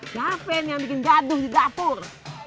jafin yang bikin gaduh di dapur